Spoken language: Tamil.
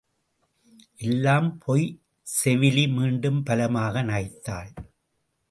எல்லாம் பொய் செவிலி மீண்டும் பலமாக நகைத்தாள்.